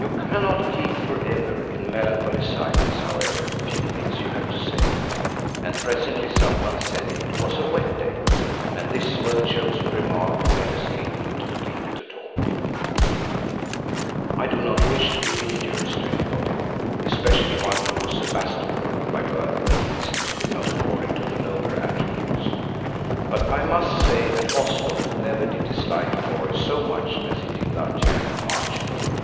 You cannot keep for ever in melancholy silence however few things you have to say, and presently some one said it was a wet day, and this well chosen remark made us able to begin to talk. I do not wish to be injurious to anybody, especially one who was a Bastable, by birth at least if not according to the nobler attributes, but I must say that Oswald never did dislike a boy so much as he did that young Archibald.